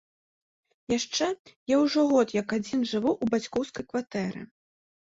Яшчэ, я ўжо год як адзін жыву ў бацькоўскай кватэры.